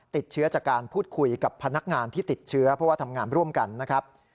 ติดเชื้อจากการพูดคุยกับพนักงานที่ติดเชื้อเพราะว่าทำงานร่วมกันนะครับ